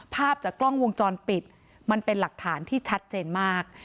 ภาพจากกล้องวงจรปิดมันเป็นหลักฐานที่ชัดเจนมาก